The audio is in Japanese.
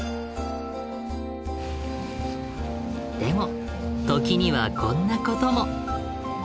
でも時にはこんなことも。